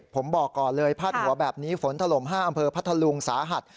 ผมบอกก่อนเลยพาดหัวแบบนี้ฝนถล่ม๕อำเภอพัทธลุงสาหัส